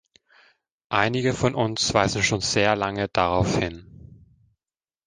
Einige von uns weisen schon sehr lange darauf hin.